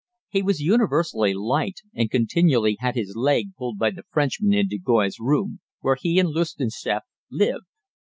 He was universally liked, and continually had his leg pulled by the Frenchmen in de Goys' room, where he and Lustianseff lived.